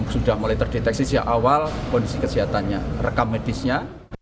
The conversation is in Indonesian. sudah mulai terdeteksi sejak awal kondisi kesehatannya rekam medisnya